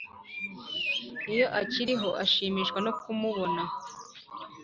Iyo akiriho, ashimishwa no kumubona,